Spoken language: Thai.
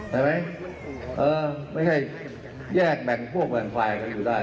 ได้ไหมเออไม่ให้แยกแม่งพวกเหมือนไขวอยู่ได้